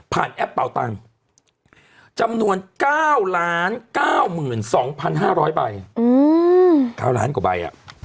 แอปเป่าตังค์จำนวน๙๙๒๕๐๐ใบ๙ล้านกว่าใบ